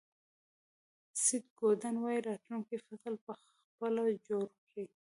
سیټ گودن وایي راتلونکی فصل په خپله جوړ کړئ.